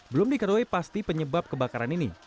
belum diketahui pasti penyebab kebakaran ini